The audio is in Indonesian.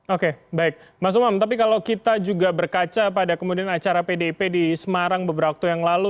oke baik mas umam tapi kalau kita juga berkaca pada kemudian acara pdip di semarang beberapa waktu yang lalu